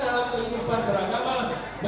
dengan prinsip ayat suci di atas ayat konstitusi